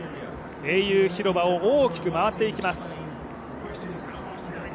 英雄広場を大きく回っていきます。